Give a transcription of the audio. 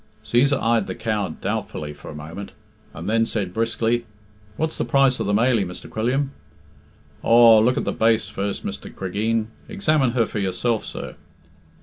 Cæsar eyed the cow doubtfully for a moment, and then said briskly, "What's the price of the mailie, Mr. Quilliam?" "Aw, look at the base first, Mr. Cregeen. Examine her for yourself, sir."